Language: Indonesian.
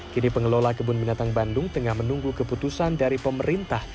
kini pengelola kebun binatang bandung tengah menunggu keputusan dari pemerintah